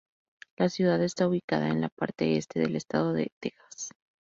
La ciudad está ubicada en la parte este del Estado de Texas.